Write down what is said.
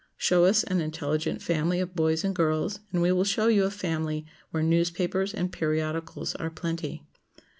Show us an intelligent family of boys and girls, and we will show you a family where newspapers and periodicals are plenty.